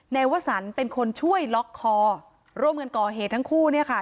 วสันเป็นคนช่วยล็อกคอร่วมกันก่อเหตุทั้งคู่เนี่ยค่ะ